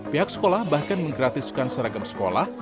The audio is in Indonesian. pihak sekolah bahkan menggratiskan seragam sekolah